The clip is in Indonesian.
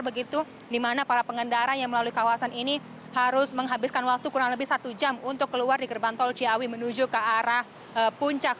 begitu di mana para pengendara yang melalui kawasan ini harus menghabiskan waktu kurang lebih satu jam untuk keluar di gerbang tol ciawi menuju ke arah puncak